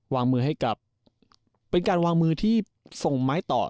วางมือให้กับเป็นการวางมือที่ส่งไม้ต่อ